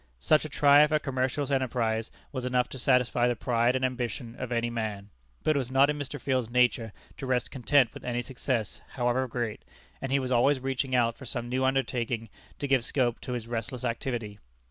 Such a triumph of commercial enterprise was enough to satisfy the pride and ambition of any man; but it was not in Mr. Field's nature to rest content with any success, however great, and he was always reaching out for some new undertaking to give scope to his restless activity.